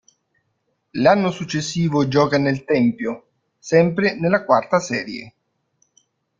L'anno successivo gioca nel Tempio, sempre nella quarta serie.